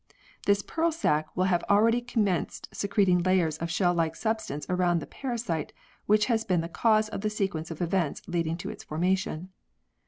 This pearl sac will have already commenced secreting layers of shell like substance round the parasite which has been the cause of the sequence of events leading to its formation.